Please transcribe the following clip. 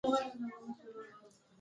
ده د وړتيا پر بنسټ ټاکنې کولې.